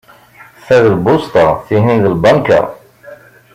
Ta d lbusṭa, tihin d lbanka.